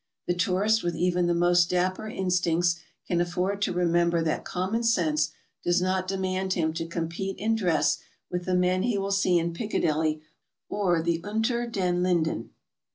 The tourist with even the most dapper instincts can afford to remember that common sense does not demand him to compete in dress with the men he will see in Piccadilly or the Unter dem Linden.